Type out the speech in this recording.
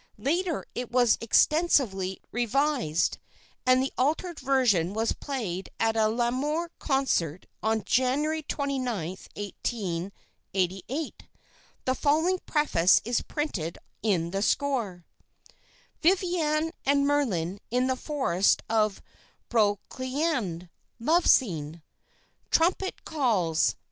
Later it was extensively revised, and the altered version was played at a Lamoureux concert on January 29, 1888. The following preface is printed in the score: "Viviane and Merlin in the forest of Brocéliande. Love scene. "Trumpet calls.